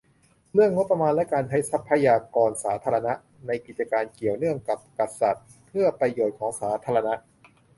- เรื่องงบประมาณและการใช้ทรัพยากรสาธารณะ ในกิจการเกี่ยวเนื่องกับกษัตริย์ เพื่อประโยชน์ของสาธารณะ